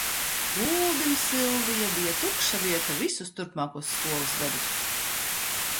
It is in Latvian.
Uldim Silvija bija tukša vieta visus turpmākos skolas gadus.